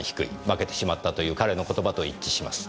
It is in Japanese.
「負けてしまった」という彼の言葉と一致します。